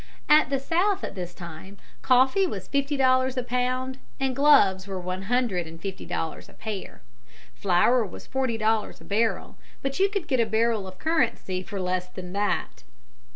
At the South at this time coffee was fifty dollars a pound and gloves were one hundred and fifty dollars a pair. Flour was forty dollars a barrel; but you could get a barrel of currency for less than that.